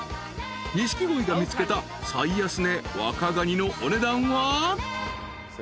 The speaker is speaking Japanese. ［錦鯉が見つけた最安値若ガニのお値段は］